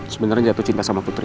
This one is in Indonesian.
sebenarnya jatuh cinta sama putri